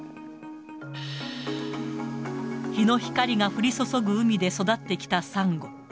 日の光が降り注ぐ海で育ってきたさんご。